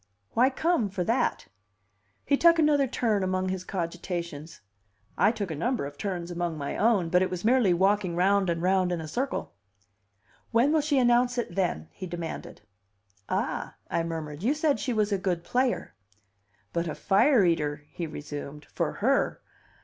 "Why come for that?" He took another turn among his cogitations. I took a number of turns among my own, but it was merely walking round and round in a circle. "When will she announce it, then?" he demanded. "Ah!" I murmured. "You said she was a good player." "But a fire eater!" he resumed. "For her.